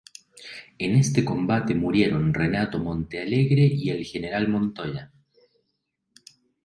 En este combate murieron Renato Montealegre y el General Montoya.